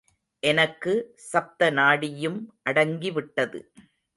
எனக்கு சப்த நாடியும் அடங்கிவிட்டது.